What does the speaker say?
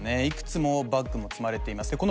いくつもバッグも積まれています